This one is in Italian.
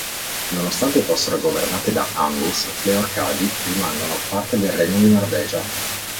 Nonostante fossero governate da Angus, le Orcadi rimasero parte del regno di Norvegia.